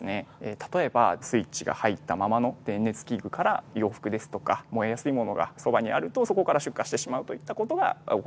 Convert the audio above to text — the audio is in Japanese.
例えばスイッチが入ったままの電熱器具から洋服ですとか燃えやすいものがそばにあるとそこから出火してしまうといった事が起こり得ます。